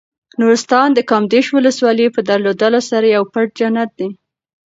نورستان د کامدېش ولسوالۍ په درلودلو سره یو پټ جنت دی.